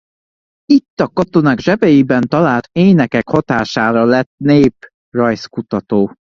Itt a katonák zsebeiben talált énekek hatására lett néprajzkutató.